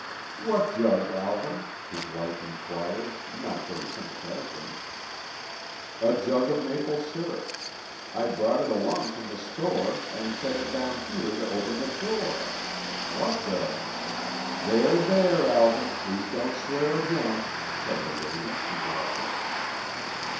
"What jug, Alvan?" his wife inquired, not very sympathetically. "A jug of maple sirup—I brought it along from the store and set it down here to open the door. What the—" "There, there, Alvan, please don't swear again," said the lady, interrupting.